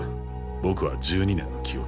僕は、１２年の記憶。